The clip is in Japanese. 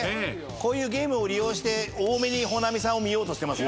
こういうゲームを利用して多めに保奈美さんを見ようとしてます。